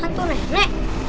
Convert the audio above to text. kenapa kamu berdiri